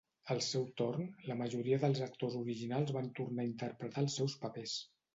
Al seu torn, la majoria dels actors originals van tornar a interpretar els seus papers.